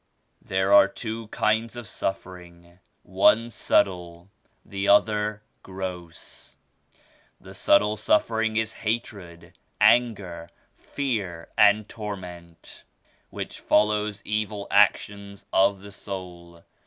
"There are two kinds of suffering, one subtle, the other gross. The subtle suffering is hatred, anger, fear and torment which follow evil ac tions of the soul.